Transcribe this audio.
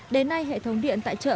đến nay hệ thống điện tại chợ